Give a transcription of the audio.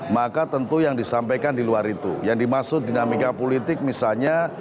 maka tentu yang disampaikan di luar itu yang dimaksud dinamika politik misalnya